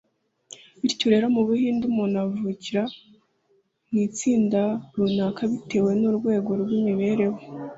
bityo rero, mu buhindi umuntu avukira mu itsinda runaka bitewe n’urwego rw’imibereho